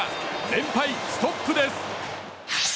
連敗ストップです。